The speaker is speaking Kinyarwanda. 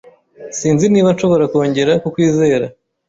Sinzi niba nshobora kongera kukwizera.